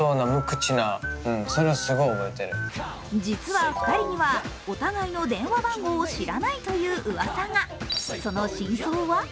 実は２人にはお互いの電話番号を知らないといううわさが。